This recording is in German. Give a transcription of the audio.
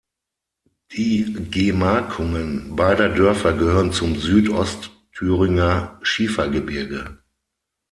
Die Gemarkungen beider Dörfer gehören zum Südostthüringer Schiefergebirge.